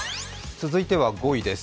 続いては５位です。